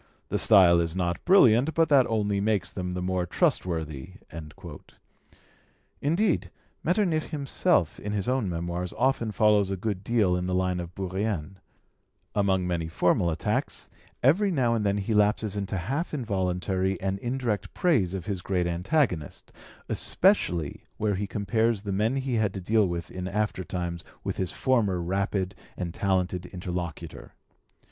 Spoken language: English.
The style is not brilliant, but that only makes them the more trustworthy." Indeed, Metternich himself in his own Memoirs often follows a good deal in the line of Bourrienne: among many formal attacks, every now and then he lapses into half involuntary and indirect praise of his great antagonist, especially where he compares the men he had to deal with in aftertimes with his former rapid and talented interlocutor.